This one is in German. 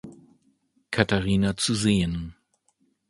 Katharina zu sehen.